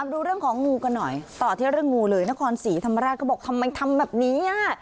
ดูเรื่องของงูกันหน่อยต่อที่เรื่องงูเลยนครศรีธรรมราชเขาบอกทำไมทำแบบนี้อ่ะ